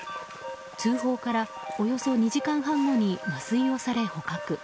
通報からおよそ２時間半後に麻酔をされ捕獲。